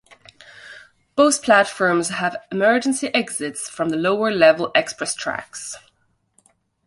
Both platforms have emergency exits from the lower level express tracks.